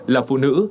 là phụ nữ